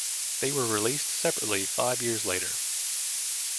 They were released separately five years later.